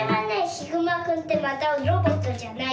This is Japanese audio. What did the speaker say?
ヒグマくんってまたロボットじゃないから。